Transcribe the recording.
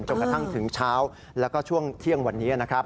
กระทั่งถึงเช้าแล้วก็ช่วงเที่ยงวันนี้นะครับ